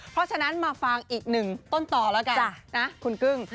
เพราะฉะนั้นมาฟังอีกหนึ่งต้นต่อแล้วกันนะคุณกึ้ง